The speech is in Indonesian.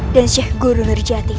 dan syekh guru nerjati